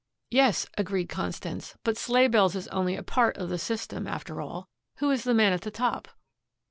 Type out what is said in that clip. "Yes," agreed Constance; "but Sleighbells is only a part of the system after all. Who is the man at the top?"